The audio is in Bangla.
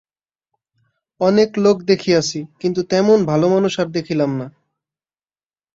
অনেক লোক দেখিয়াছি কিন্তু তেমন ভালোমানুষ আর দেখিলাম না।